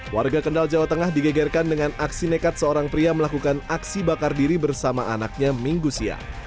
warga kendal jawa tengah digegerkan dengan aksi nekat seorang pria melakukan aksi bakar diri bersama anaknya minggu siang